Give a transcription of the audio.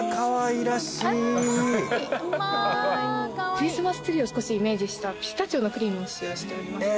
クリスマスツリーを少しイメージしたピスタチオのクリームを使用しております。